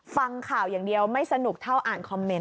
ฟังข่าวอย่างเดียวไม่สนุกเท่าอ่านคอมเมนต